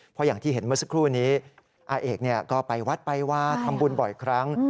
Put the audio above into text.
เพราะอย่างที่เห็นเมื่อสักครู่นี้อาเอกก็ไปวัดไปวาทำบุญบ่อยครั้ง